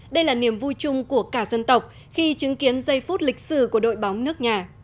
đây là niềm vui chung của cả dân tộc khi chứng kiến giây phút lịch sử của đội bóng nước nhà